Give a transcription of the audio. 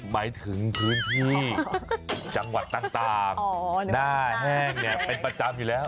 หมายถึงพื้นที่จังหวัดต่างหน้าแห้งเป็นประจำอยู่แล้ว